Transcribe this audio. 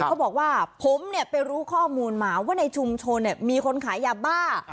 เขาบอกว่าผมเนี่ยไปรู้ข้อมูลมาว่าในชุมชนมีคนขายยาบ้า